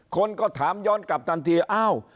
คนก็ถามย้อนกลับทันทีอ้าว